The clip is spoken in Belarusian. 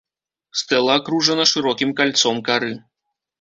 Стэла акружана шырокім кальцом кары.